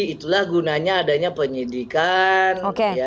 itu gunanya adanya penyidikan